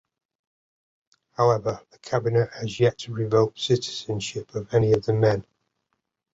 However, the Cabinet has yet to revoke the citizenship of any of the men.